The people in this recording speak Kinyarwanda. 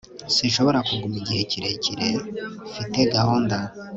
sinshobora kuguma igihe kirekire. mfite gahunda